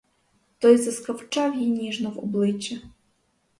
Той заскавчав їй ніжно в обличчя.